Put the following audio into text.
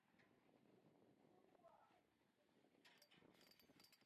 د حافظې د کمزوری لپاره باید څه شی وکاروم؟